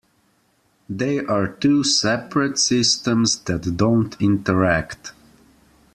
They are two separate systems that don't interact.